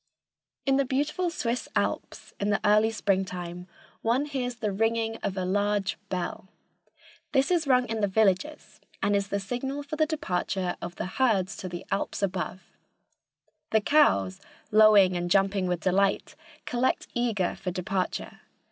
In the beautiful Swiss Alps, in the early springtime, one hears the ringing of a large bell. This is rung in the villages and is the signal for the departure of the herds to the alps above. The cows, lowing and jumping with delight, collect eager for departure.